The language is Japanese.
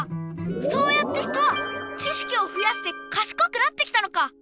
そうやって人は知識をふやしてかしこくなってきたのか！